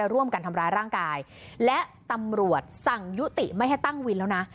ร่วมกันทำร้ายร่างกายและตำรวจสั่งยุติไม่ให้ตั้งวินแล้วนะ